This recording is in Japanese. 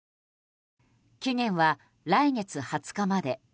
期限は来月２０日まで。